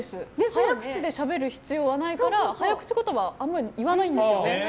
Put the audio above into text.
早口でしゃべる必要はないから早口言葉はあまり言わないんです。